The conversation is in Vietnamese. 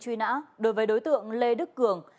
truy nã đối với đối tượng lê đức cường